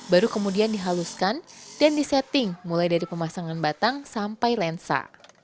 baru kemudian dihaluskan dan disetting mulai dari pemasangan batang sampai lensa